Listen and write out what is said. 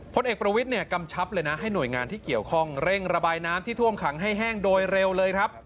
พลเอกประวิทย์เนี่ยกำชับเลยนะให้หน่วยงานที่เกี่ยวข้องเร่งระบายน้ำที่ท่วมขังให้แห้งโดยเร็วเลยครับ